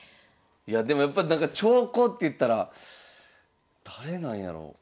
いやでもやっぱなんか長考っていったら誰なんやろう？